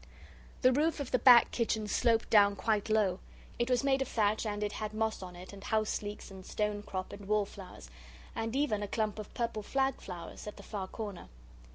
The roof of the back kitchen sloped down quite low. It was made of thatch and it had moss on it, and house leeks and stonecrop and wallflowers, and even a clump of purple flag flowers, at the far corner.